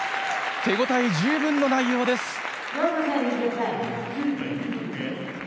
手応え十分の内容です。